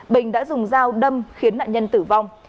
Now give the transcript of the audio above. bình đã dùng dao đâm khiến nạn nhân tử vong